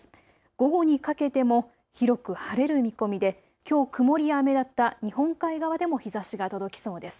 午後にかけても広く晴れる見込みで、きょう曇りや雨だった日本海側でも日ざしが届きそうです。